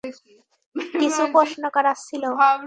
কিছু প্রশ্ন করার ছিল।